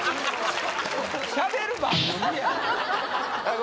しゃべる番組や。